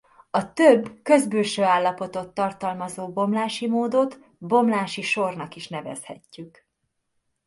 A több közbülső állapotot tartalmazó bomlási módot bomlási sornak is nevezhetjük.